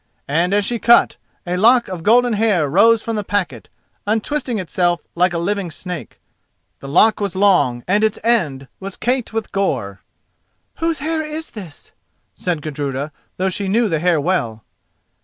And as she cut, a lock of golden hair rose from the packet, untwisting itself like a living snake. The lock was long, and its end was caked with gore. "Whose hair is this?" said Gudruda, though she knew the hair well.